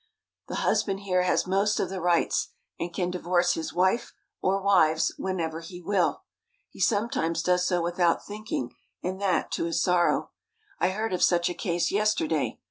The husband here has most of the rights, and can divorce his wife, or wives, whenever he will. He sometimes does so without thinking, and that to his sorrow. I heard of such a case yesterday.